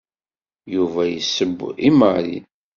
Yuba yesseww i Mary.